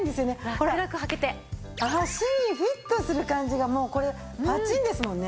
ほら足にフィットする感じがもうこれパチンですもんね。